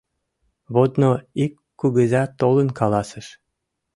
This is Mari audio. — Водно ик кугыза толын каласыш.